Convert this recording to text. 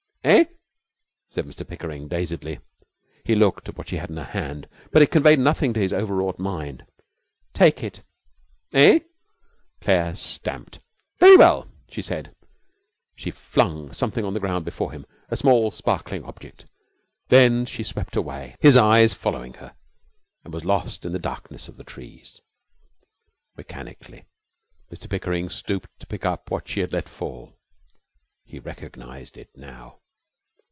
'Eh?' said Mr Pickering, dazedly. He looked at what she had in her hand, but it conveyed nothing to his overwrought mind. 'Take it!' 'Eh?' Claire stamped. 'Very well,' she said. She flung something on the ground before him a small, sparkling object. Then she swept away, his eyes following her, and was lost in the darkness of the trees. Mechanically Mr Pickering stooped to pick up what she had let fall. He recognized it now.